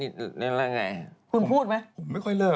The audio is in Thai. ดีสิ